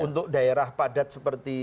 untuk daerah padat seperti